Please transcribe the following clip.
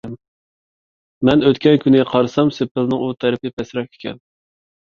مەن ئۆتكەن كۈنى قارىسام، سېپىلنىڭ ئۇ تەرىپى پەسرەك ئىكەن.